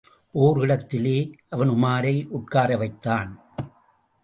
ஓர் இடத்திலே அவன் உமாரை உட்காரவைத்தான்.